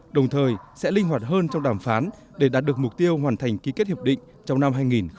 đồng thời sẽ linh hoạt hơn trong đàm phán để đạt được mục tiêu hoàn thành ký kết hiệp định trong năm hai nghìn hai mươi